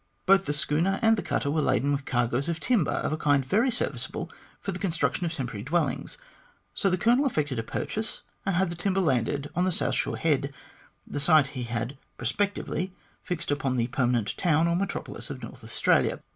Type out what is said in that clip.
Both the schooner and the cutter were laden with cargoes of timber of a kind very serviceable for the construction of temporary dwellings, so the Colonel effected a purchase, and had the timber landed on the South Shore Head, the site he had prospectively fixed upon for the permanent town or metropolis of North Australia.